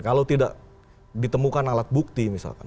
kalau tidak ditemukan alat bukti misalkan